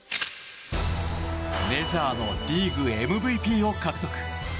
メジャーのリーグＭＶＰを獲得。